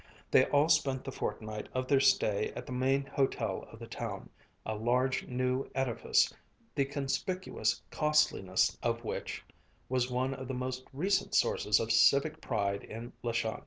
They all spent the fortnight of their stay at the main hotel of the town, a large new edifice, the conspicuous costliness of which was one of the most recent sources of civic pride in La Chance.